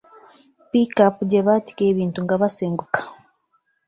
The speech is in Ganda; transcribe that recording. Pikaapu gye baatikako ebintu nga basenguka.